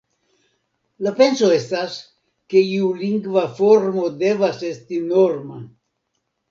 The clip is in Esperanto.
La penso estas, ke iu lingva formo devas esti norma.